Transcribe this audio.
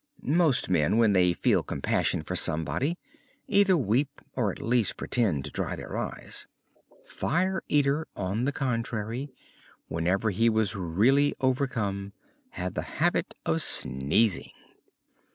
Most men, when they feel compassion for somebody, either weep or at least pretend to dry their eyes. Fire Eater, on the contrary, whenever he was really overcome, had the habit of sneezing.